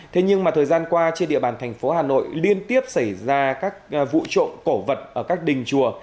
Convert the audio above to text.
thế nhưng mà thời gian qua trên địa bàn thành phố hà nội liên tiếp xảy ra các vụ trộm cổ vật ở các đình chùa